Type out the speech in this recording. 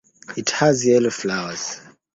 It has yellow flowers.